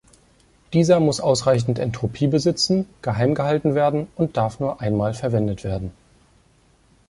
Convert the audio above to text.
Dieser muss ausreichend Entropie besitzen, geheim gehalten werden und darf nur einmal verwendet werden.